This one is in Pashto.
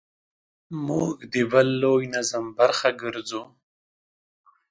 موږ د بل لوی نظم برخه ګرځو.